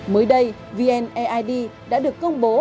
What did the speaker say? mới đây vnaid đã được công bố